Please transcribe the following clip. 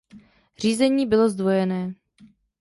Řízení bylo zdvojené.